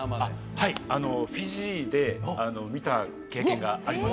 はいフィジーで見た経験があります